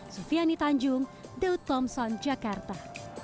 sufiani tanjung daud thompson jakarta